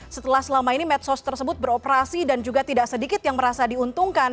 setelah selama ini medsos tersebut beroperasi dan juga tidak sedikit yang merasa diuntungkan